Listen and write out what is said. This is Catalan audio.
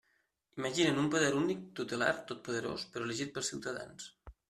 Imaginen un poder únic, tutelar, totpoderós, però elegit pels ciutadans.